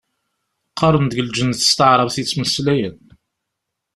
Qqaren-d deg lǧennet s taɛrabt i ttmeslayen.